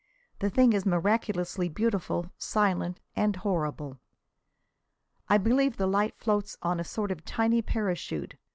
The thing is miraculously beautiful, silent and horrible. I believe the light floats on a sort of tiny parachute.